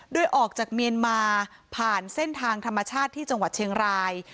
โดยออกจากเมียนมาผ่านเส้นทางธรรมชาติที่จังหวัดเชียงราย